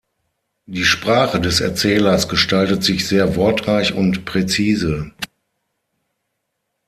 Die Sprache des Erzählers gestaltet sich sehr wortreich und präzise.